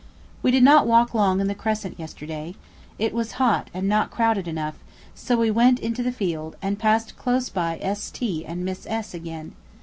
We did not walk long in the Crescent yesterday. It was hot and not crowded enough; so we went into the field, and passed close by S. T. and Miss S. {75b} again.